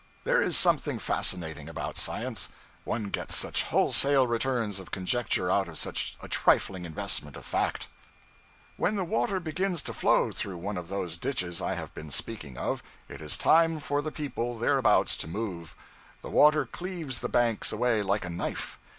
There is something fascinating about science. One gets such wholesale returns of conjecture out of such a trifling investment of fact. When the water begins to flow through one of those ditches I have been speaking of, it is time for the people thereabouts to move. The water cleaves the banks away like a knife.